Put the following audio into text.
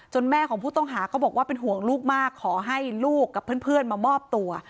แม่ของผู้ต้องหาก็บอกว่าเป็นห่วงลูกมากขอให้ลูกกับเพื่อนมามอบตัว